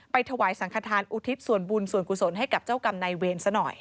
ถวายสังขทานอุทิศส่วนบุญส่วนกุศลให้กับเจ้ากรรมนายเวรซะหน่อย